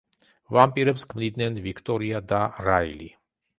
ვამპირებს ქმნიდნენ ვიქტორია და რაილი.